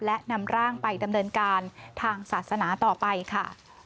และนำร่างไปดำเนินการทางศาสนาต่อไปค่ะ